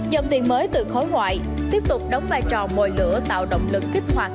dòng tiền mới từ khối ngoại tiếp tục đóng vai trò mồi lửa tạo động lực kích hoạt